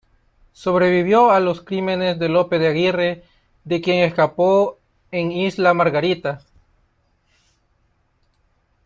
Sobrevivió a los crímenes de Lope de Aguirre, de quien escapó en Isla Margarita.